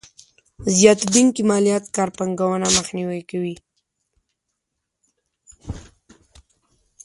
زياتېدونکې ماليات کار پانګونه مخنیوی کوي.